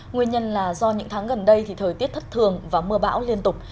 nguyên nhân là do những tháng gần đây thì thời tiết thất thường và mưa bão liên tục